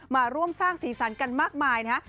มาร่วมสร้างสีสันกันมากมายนะฮะ